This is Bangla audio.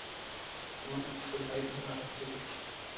আমার কাছে বাড়ি ভাড়া আছে।